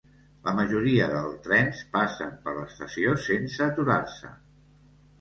La majoria del trens passen per l'estació sense aturar-se.